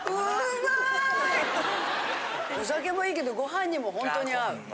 お酒もいいけどご飯にもほんとに合う。